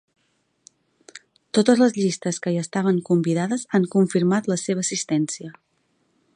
Totes les llistes que hi estaven convidades han confirmat la seva assistència.